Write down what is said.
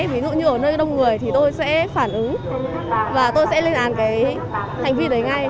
ví dụ như ở nơi đông người thì tôi sẽ phản ứng và tôi sẽ lên án cái hành vi đấy ngay